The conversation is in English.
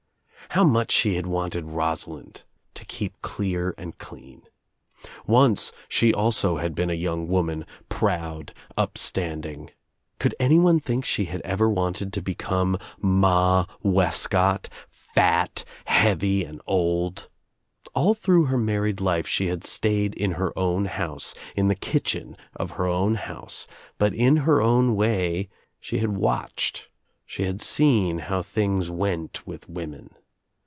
How much she had wanted Rosalind to keep clear and clean I Once she also had been a young woman, proud, upstanding. Could anyone think she had ever wanted to become Ma Wescott, fat, heavy and old? All through her married life she had stayed in her own house, in the kitchen of her own house, but in her own way she had watched, she had seen how things went with women.